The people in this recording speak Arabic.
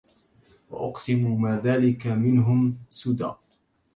وأقسم ما ذاك منهم سدى